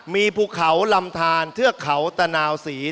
มีภูเขาลำทานเทือกเขาตะนาวศรี